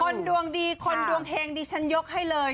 คนดวงดีคนดวงเฮงดิฉันยกให้เลย